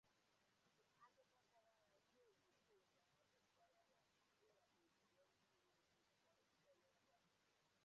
Akụkọ kọkwàrà na ndị omekoome ahụ gakwàrà ịwakpò ògige ndị uweojii dịkwa nso n'ebe ahụ